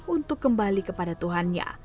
untuk kembali kepada tuhannya